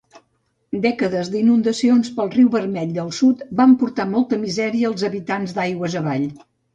Dècades d'inundacions pel Riu Vermell del Sud van portar molta misèria als habitants aigües avall.